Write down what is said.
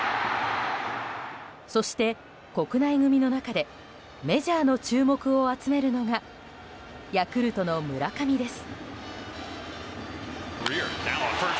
そして国内組の中でメジャーの注目を集めるのがヤクルトの村上です。